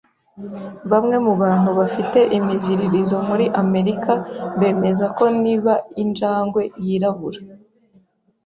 Bamwe mu bantu bafite imiziririzo muri Amerika bemeza ko niba injangwe yirabura